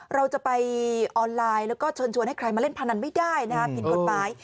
เราจะไปออนไลน์แล้วก็เชิญชวนให้ใครมาเล่นพนันไม่ได้นะฮะผิดกฎหมาย